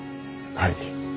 はい。